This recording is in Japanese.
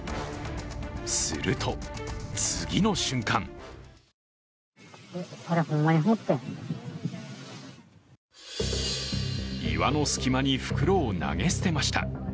すると、次の瞬間岩の隙間に袋を投げ捨てました。